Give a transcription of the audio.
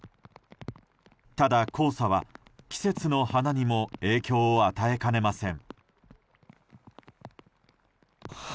ただ、黄砂は季節の花にも影響を与えかねません。